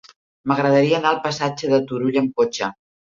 M'agradaria anar al passatge de Turull amb cotxe.